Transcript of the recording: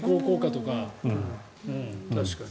確かに。